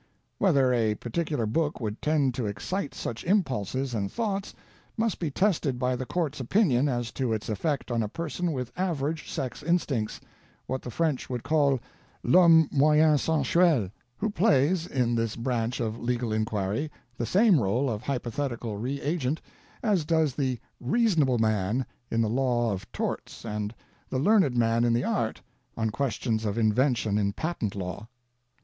"Whether a particular book would tend to excite such impulses and thoughts must be tested by the court's opinion as to its effect on a person with average sex instincts what the French would call 'l'homme moyen sensuel' who plays, in this branch of legal inquiry, the same role of hypothetical reagent as does the 'reasonable man' in the law of torts and 'the learned man in the art' on questions of invention in patent law."